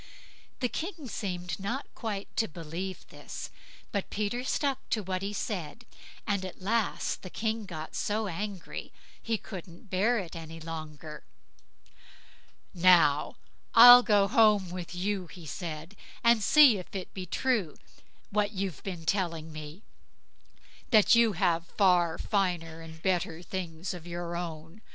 The King seemed not quite to believe this, but Peter stuck to what he said, and at last the King got so angry, he couldn't bear it any longer. "Now I'll go home with you", he said, "and see if it be true what you've been telling me, that you have far finer and better things of your own.